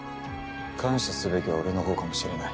感謝すべきは俺の方かもしれない。